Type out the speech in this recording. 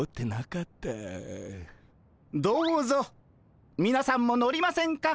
どうぞみなさんも乗りませんか？